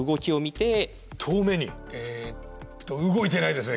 えっと動いてないですね。